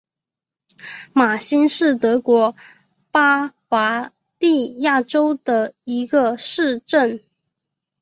马兴是德国巴伐利亚州的一个市镇。